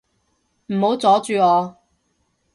唔好阻住我